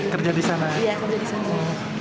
kerja di sana kerja di sana